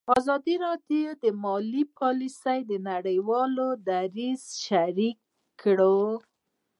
ازادي راډیو د مالي پالیسي د نړیوالو نهادونو دریځ شریک کړی.